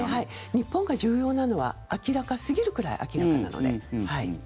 日本が重要なのは明らかすぎるくらい明らかなので。